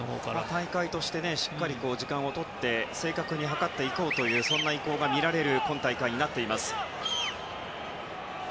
大会としてしっかり時間をとって正確に測っていこうというそんな意向が見られる今大会です。